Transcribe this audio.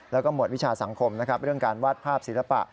แล้วก็หมวดวิชาสังคมนะครับเรื่องการวาดภาพศิลปะ